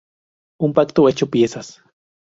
Un pacto hecho piezas.